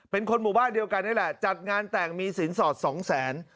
เป็นคนหมู่บ้านเดียวกันนี่แหละจัดงานแต่งมีสินสอดสองแสน